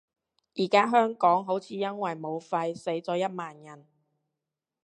而家香港好似因為武肺死咗一萬人